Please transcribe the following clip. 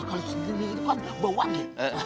kalau centini ini kan bau wangi